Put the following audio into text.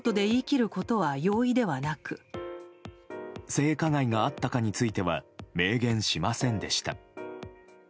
性加害があったかについては明言しませんでした。